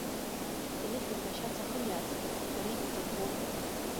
Инышәынҭра ашьац ахымиаац, бара ибҳәо ббоит.